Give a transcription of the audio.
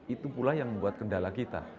itu pula yang membuat kendala kita